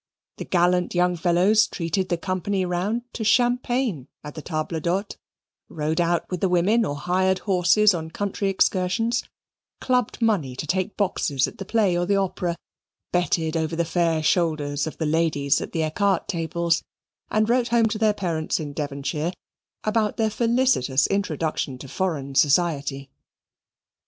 The gallant young fellows treated the company round to champagne at the table d'hote, rode out with the women, or hired horses on country excursions, clubbed money to take boxes at the play or the opera, betted over the fair shoulders of the ladies at the ecarte tables, and wrote home to their parents in Devonshire about their felicitous introduction to foreign society.